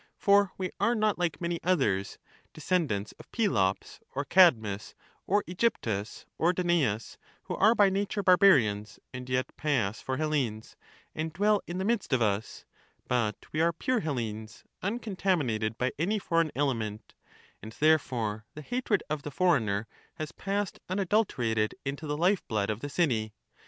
For we are not like many others, descendants of Pelops or Cadmus or Egyptus or Danaus, who are by nature barbarians, and yet pass for Hellenes, and dwell in the midst of us ; but we are pure Hellenes, uncontaminated by any foreign element, and therefore the hatred of the foreigner has passed unadulter ated into the life blood of the city.